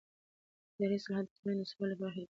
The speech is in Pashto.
اداري اصلاح د ټولنې ثبات لپاره حیاتي دی